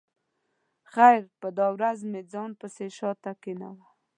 خیر په دا ورځ مې ځان پسې شا ته کېناوه.